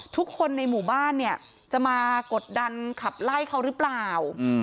ทุกคนในหมู่บ้านเนี่ยจะมากดดันขับไล่เขาหรือเปล่า